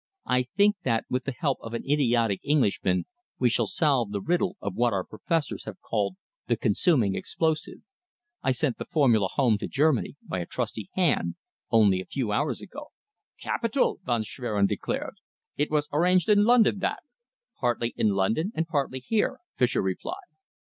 I think that, with the help of an idiotic Englishman, we shall solve the riddle of what our professors have called the consuming explosive. I sent the formula home to Germany, by a trusty hand, only a few hours ago." "Capital!" Von Schwerin declared. "It was arranged in London, that?" "Partly in London and partly here," Fischer replied.